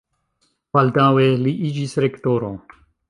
Baldaŭe li iĝis rektoro.